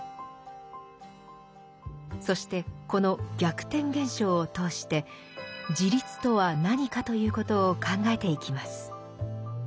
そしてこの逆転現象を通して「自立」とは何かということを考えていきます。